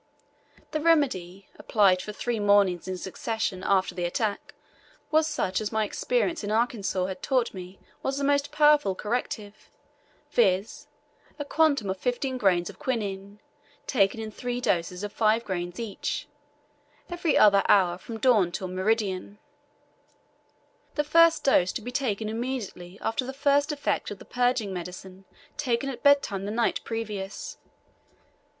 The remedy, applied for three mornings in succession after the attack, was such as my experience in Arkansas had taught me was the most powerful corrective, viz., a quantum of fifteen grains of quinine, taken in three doses of five grains each, every other hour from dawn to meridian the first dose to be taken immediately after the first effect of the purging medicine taken at bedtime the night previous.